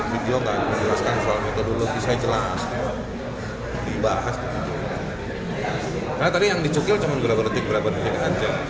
video kan jelaskan soal metodologi saya jelas dibahas tadi yang dicukil cuman berapa detik